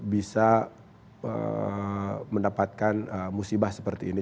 bisa mendapatkan musibah seperti ini